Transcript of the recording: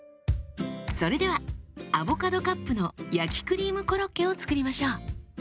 それではアボカドカップの焼きクリームコロッケを作りましょう。